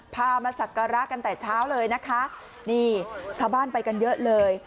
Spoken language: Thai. พามาสักการะกันแต่เช้าเลยนะคะนี่ชาวบ้านไปกันเยอะเลย